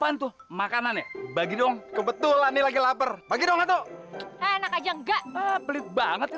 anak anak bakal balik ke jalanan